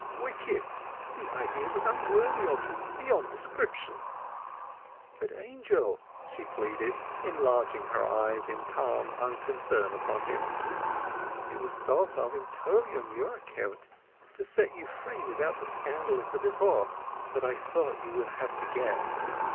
"Wicked! The idea was unworthy of you beyond description." "But, Angel," she pleaded, enlarging her eyes in calm unconcern upon him, "it was thought of entirely on your account—to set you free without the scandal of the divorce that I thought you would have to get.